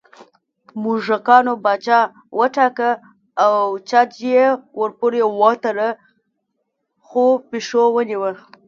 موږکانو پاچا وټاکه او چج یې ورپورې وتړه خو پېشو ونیوه